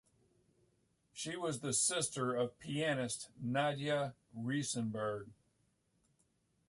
She was the sister of pianist Nadia Reisenberg.